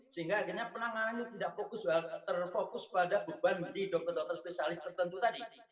sehingga akhirnya penanganannya tidak fokus terfokus pada beban di dokter dokter spesialis tertentu tadi